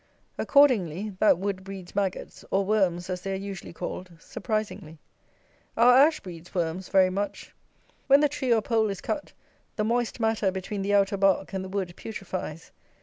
Accordingly, that wood breeds maggots, or worms as they are usually called, surprisingly. Our ash breeds worms very much. When the tree or pole is cut, the moist matter between the outer bark and the wood putrifies.